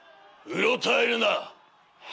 うろたえるな。